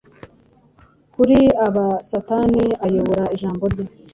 Kuri aba Satani ayobora Ijambo rye,